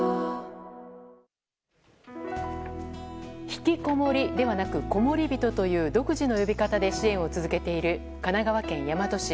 ひきこもりではなくこもりびとという独自の呼び方で支援を続けている神奈川県大和市。